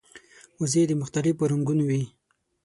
وزې د مختلفو رنګونو وي